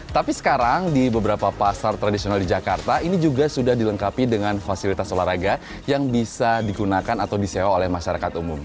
tapi sekarang di beberapa pasar tradisional di jakarta ini juga sudah dilengkapi dengan fasilitas olahraga yang bisa digunakan atau disewa oleh masyarakat umum